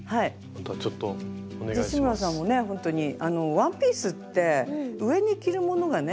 ワンピースって上に着るものがね